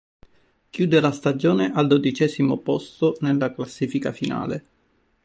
Chiude la stagione al dodicesimo posto nella classifica finale.